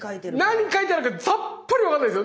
何書いてあるかさっぱり分かんないですよ。